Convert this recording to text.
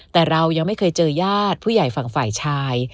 แต่เรายังไม่เคยเจอญาติผู้ใหญ่ฝั่งฝ่ายชาย